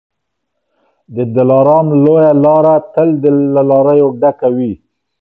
د دلارام لویه لاره تل له لاریو ډکه وي.